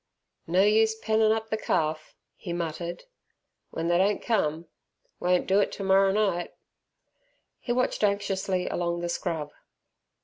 "No use pennin' up ther calf," he muttered, "when they don't come. Won't do it termorrer night." He watched anxiously along the scrub.